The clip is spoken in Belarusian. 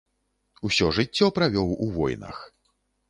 Усё жыццё правёў у войнах.